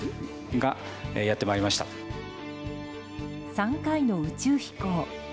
３回の宇宙飛行。